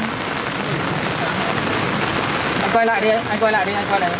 anh quay lại đi anh quay lại đi anh quay lại đi